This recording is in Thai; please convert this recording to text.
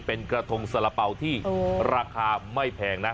เป็นกระทงสละเป๋าที่ราคาไม่แพงนะ